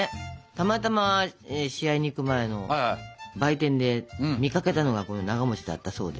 たまたま試合に行く前の売店で見かけたのがこのながだったそうで。